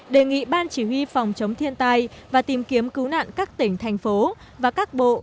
đề nghị ban chỉ huy phòng chống thiên tai và tìm kiếm cứu nạn các tỉnh thành phố và các bộ